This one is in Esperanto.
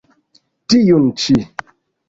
Tiun ĉi.